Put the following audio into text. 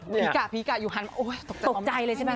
ผีกะผีกะอยู่หันโอ้ยตกใจเลยใช่ไหมค